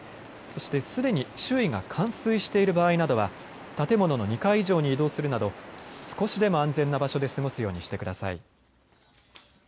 そしてすでに周囲が冠水している場合などは建物の２階以上に移動するなど少しでも安全な場所で過ごすようにしてください。